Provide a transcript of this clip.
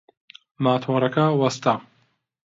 ماتۆڕەکە وەستا.